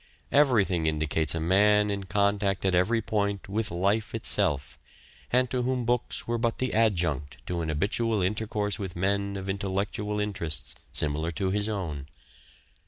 Everything indicates a man in contact at every point with life itself, and to whom books were but the adjunct to an habitual intercourse with men of intellectual interests similar to his own.